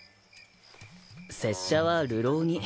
拙者は流浪人。